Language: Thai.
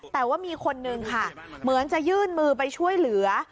แต่ว่ามีคนนึงค่ะเหมือนจะยื่นมือไปช่วยเหลือ